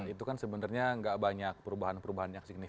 itu kan sebenarnya nggak banyak perubahan perubahan yang signifikan